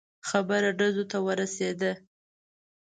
خبره ډزو ته ورسېده.